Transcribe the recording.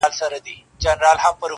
د نښتر وني جنډۍ سوې د قبرونو٫